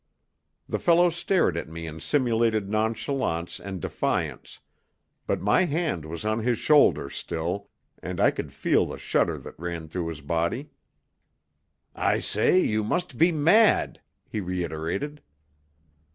The fellow stared at me in simulated nonchalance and defiance, but my hand was on his shoulder still, and I could feel the shudder that ran through his body. "I say you must be mad," he reiterated.